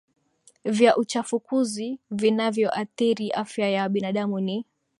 vya uchafuzi vinavyoathiri afya ya binadamu ni